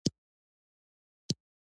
تاسو زنګ اورئ؟